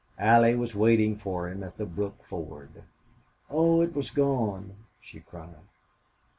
Allie was waiting for him at the brook ford. "Oh, it was gone!" she cried.